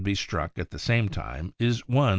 be struck at the same time is 1 .